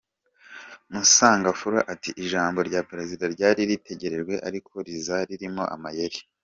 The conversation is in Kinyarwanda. Musangamfura ati “Ijambo rya Perezida ryari ritegerejwe ariko riza ririmo amayeri.